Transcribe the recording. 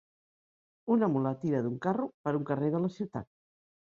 Una mula tira d'un carro per un carrer de la ciutat.